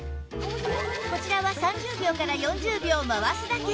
こちらは３０秒から４０秒回すだけ